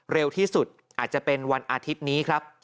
เร็วที่สุดอาจจะเป็นวันอาทิตย์นี้ครับ